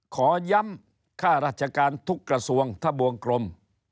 ขอย้ำค่าราชการทุกกระทรวงทะบวงกลม